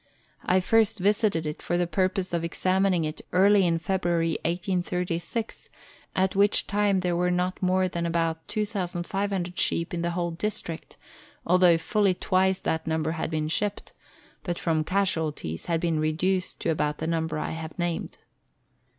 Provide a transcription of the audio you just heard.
I first visited it for the purpose of examining it early in February 1836, at which time there were not more than about 2,500 sheep in the whole district, although fully twice that number had been shipped, but from casualties had been reduced to about the number I have named.